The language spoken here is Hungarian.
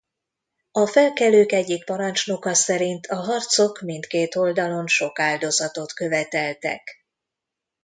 A felkelők egyik parancsnoka szerint a harcok mindkét oldalon sok áldozatot követeltek.